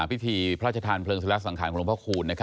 พิธีพระราชทานเผลิงศาลักษณะสังขารคลมพระคูณ